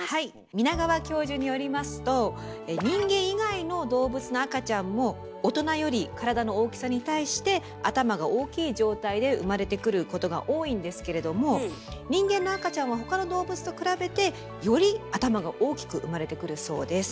皆川教授によりますと人間以外の動物の赤ちゃんも大人より体の大きさに対して頭が大きい状態で生まれてくることが多いんですけれども人間の赤ちゃんは他の動物と比べてより頭が大きく生まれてくるそうです。